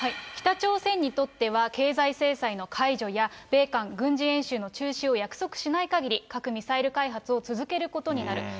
北朝鮮にとっては経済制裁の解除や米韓軍事演習の中止を約束しないかぎり、核・ミサイル開発を続けることになる。